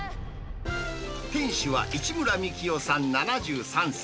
店主は市村幹世さん７３歳。